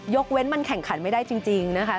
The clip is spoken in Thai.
เว้นมันแข่งขันไม่ได้จริงนะคะ